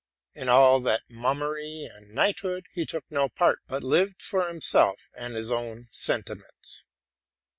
In all that mummery and knighthood he took no part, but lived for him self and his own sentiments.